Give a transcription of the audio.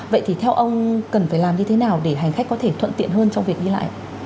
vậy thì theo ông cần phải làm như thế nào để hành khách có thể thuận tiện hơn trong việc đi lại